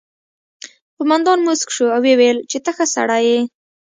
قومندان موسک شو او وویل چې ته ښه سړی یې